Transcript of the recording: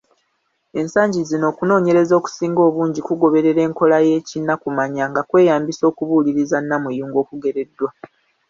Ensangi zino, okunoonyereza okusinga obungi kugobererea enkola y’ekinnakumanya nga kweyambisa okubuuliriza namuyungo okugereddwa.